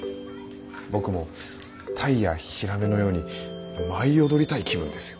僕もタイやヒラメのように舞い踊りたい気分ですよ。